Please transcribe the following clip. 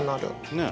ねえ。